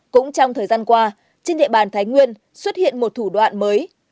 cũng trong thời gian qua trên địa bàn thái nguyên xuất hiện một thủ đoạn mới